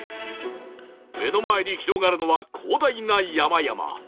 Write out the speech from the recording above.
目の前に広がるのは広大な山々